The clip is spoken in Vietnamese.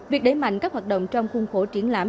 việc đẩy mạnh các hoạt động trong khuôn khổ triển lãm